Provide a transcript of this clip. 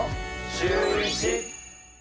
シューイチ。